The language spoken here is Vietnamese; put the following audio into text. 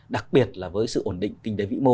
đặc biệt là với sự ổn định kinh tế vĩ mô